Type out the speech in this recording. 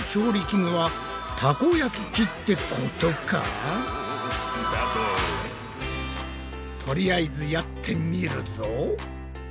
てことはとりあえずやってみるぞ。